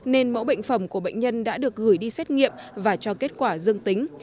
nên mẫu bệnh phẩm của bệnh nhân đã được gửi đi xét nghiệm và cho kết quả dương tính